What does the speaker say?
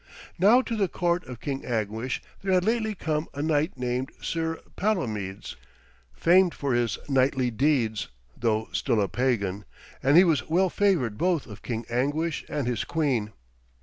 Now, to the court of King Anguish there had lately come a knight named Sir Palomides, famed for his knightly deeds, though still a pagan, and he was well favoured both of King Anguish and his queen.